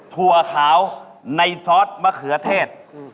ถั่วขาวในซอสมะเขือเทศ